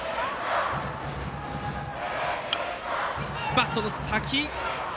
バットの先。